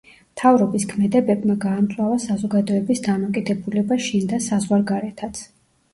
მთავრობის ქმედებებმა გაამწვავა საზოგადოების დამოკიდებულება შინ და საზღვარგარეთაც.